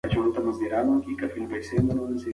بریا ناهیلي کموي.